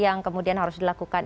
yang kemudian harus dilakukan